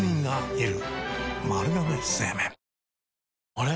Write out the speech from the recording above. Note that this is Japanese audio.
あれ？